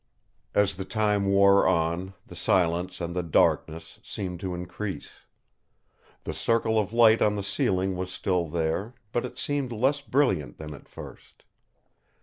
As the time wore on, the silence and the darkness seemed to increase. The circle of light on the ceiling was still there, but it seemed less brilliant than at first.